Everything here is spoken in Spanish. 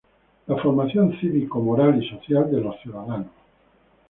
La formación cívico-moral y social de los ciudadanos.